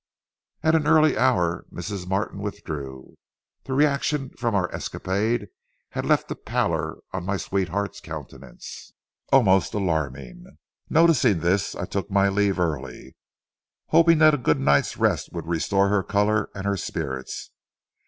At an early hour Mrs. Martin withdrew. The reaction from our escapade had left a pallor on my sweetheart's countenance, almost alarming. Noticing this, I took my leave early, hoping that a good night's rest would restore her color and her spirits.